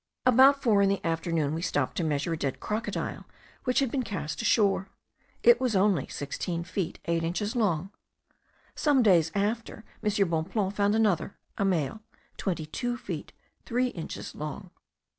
About four in the afternoon we stopped to measure a dead crocodile which had been cast ashore. It was only sixteen feet eight inches long; some days after M. Bonpland found another, a male, twenty two feet three inches long.